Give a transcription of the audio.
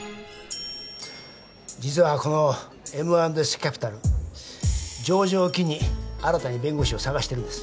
実はこのＭ＆Ｓキャピタル上場を機に新たに弁護士を探してるんです。